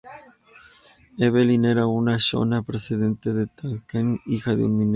Evelyn era una Xhosa procedente de Transkei hija de un minero.